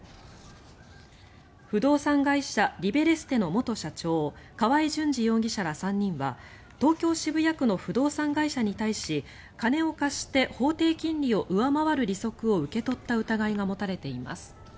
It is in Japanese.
不動産会社リベレステの元社長、河合純二容疑者ら３人は東京・渋谷区の不動産会社に対し金を貸して法定金利を上回る利息を受け取った疑いが持たれています。